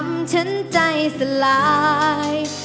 จะทำฉันใจสลาย